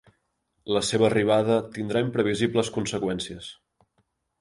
La seva arribada tindrà imprevisibles conseqüències.